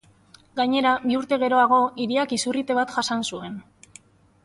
Gainera, bi urte geroago, hiriak izurrite bat jasan zuen.